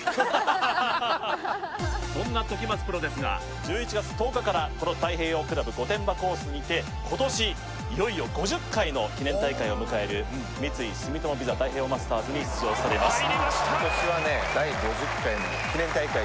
そんな時松ですが１１月１０日から、この太平洋クラブ御殿場コースにて今年いよいよ５０回の記念大会を迎える三井住友ＶＩＳＡ太平洋マスターズに出場されます。